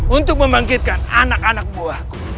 untuk membangkitkan anak anak buah